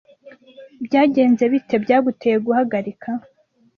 Byagenze bite byaguteye guhagarika?